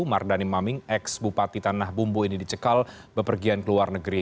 mardani maming ex bupati tanah bumbu ini dicekal bepergian ke luar negeri